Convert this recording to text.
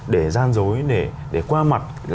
để gian dối để qua mặt